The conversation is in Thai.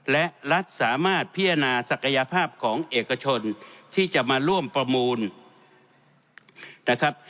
และรัฐสามารถพิจารณาศักยภาพของเอกชนที่จะมาร่วมประมูลนะครับ